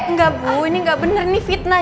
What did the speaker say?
enggak bu ini nggak bener nih fitnah